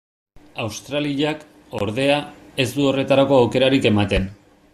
Australiak, ordea, ez du horretarako aukerarik ematen.